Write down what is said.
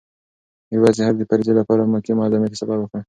میرویس د حج د فریضې لپاره مکې معظمې ته سفر وکړ.